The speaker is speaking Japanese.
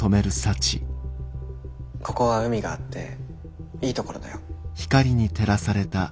ここは海があっていい所だよ。